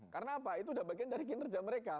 karena apa itu sudah bagian dari kinerja mereka